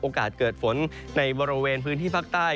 เกิดฝนในบริเวณพื้นที่ภาคใต้